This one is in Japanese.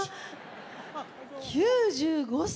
９５歳。